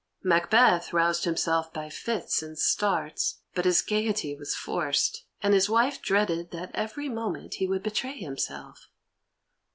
Macbeth roused himself by fits and starts, but his gaiety was forced, and his wife dreaded that every moment he would betray himself.